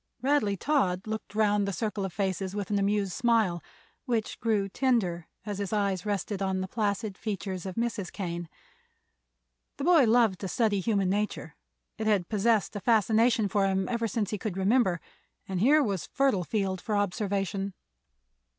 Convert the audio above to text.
Radley Todd looked round the circle of faces with an amused smile, which grew tender as his eye rested upon the placid features of Mrs. Kane. The boy loved to study human nature; it had possessed a fascination for him ever since he could remember, and here was a fertile field for observation.